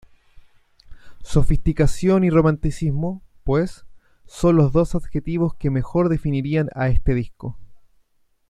Sofisticación y romanticismo, pues, son los dos adjetivos que mejor definirían a este disco.